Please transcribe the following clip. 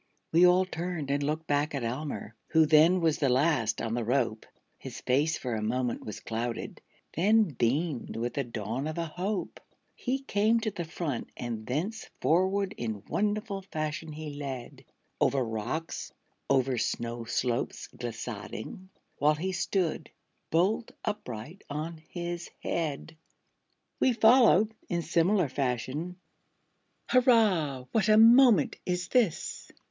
We all turned and looked back at Almer. Who then was the last on the rope; His face for a moment was clouded, Then beamed with the dawn of a hope; He came to the front, and thence forward In wonderful fashion he led, Over rocks, over snow slopes glissading, While he stood, bolt upright on his head! We followed, in similar fashion; Hurrah, what a moment is this!